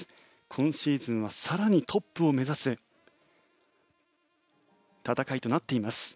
今シーズンは更にトップを目指す戦いとなっています。